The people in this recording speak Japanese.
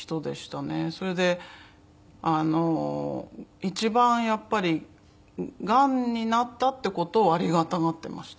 それで一番やっぱりがんになったっていう事をありがたがっていました。